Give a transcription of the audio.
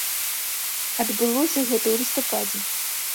Адбылося гэта ў лістападзе.